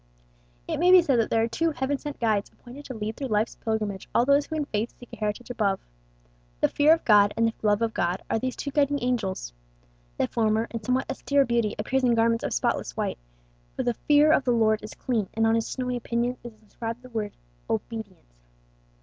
It may be said that there are two heaven sent guides appointed to lead through life's pilgrimage all those who in faith seek a heritage above. THE FEAR OF GOD and THE LOVE OF GOD are these two guiding angels. The former, in somewhat austere beauty, appears in garments of spotless white; for the fear of the Lord is clean, and on his snowy pinions is inscribed the word "obedience."